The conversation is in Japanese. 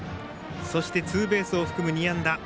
そしてツーベースを含む２安打。